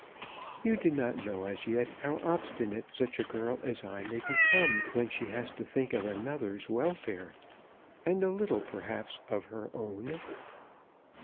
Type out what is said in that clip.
You do not know as yet how obstinate such a girl as I may become when she has to think of another's welfare, and a little, perhaps, of her own."